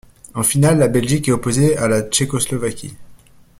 En finale, la Belgique est opposée à la Tchécoslovaquie.